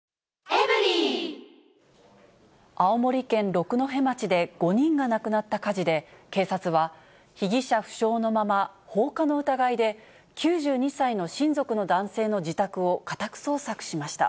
青森県六戸町で５人が亡くなった火事で、警察は被疑者不詳のまま、放火の疑いで９２歳の親族の男性の自宅を家宅捜索しました。